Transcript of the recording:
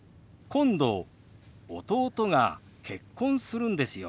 今度弟が結婚するんですよ。